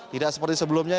tidak seperti sebelumnya